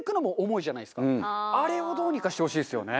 あれをどうにかしてほしいですよね。